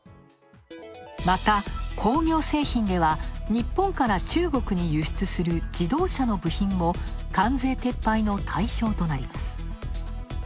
また、工業製品では日本から中国に輸出する自動車の部品も関税撤廃の対象となります。